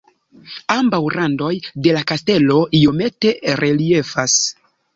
Ambaŭ randoj de la kastelo iomete reliefas.